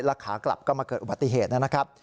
ขากลับก็มาเกิดอุบัติเหตุนะครับ